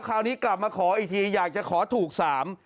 คราวนี้กลับมาขออีกทีอยากจะขอถูกสาม